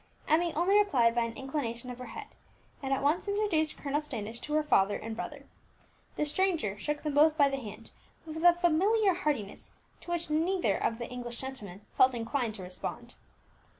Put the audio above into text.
Emmie only replied by an inclination of her head, and at once introduced Colonel Standish to her father and brother. The stranger shook them both by the hand, with a familiar heartiness to which neither of the English gentlemen felt inclined to respond.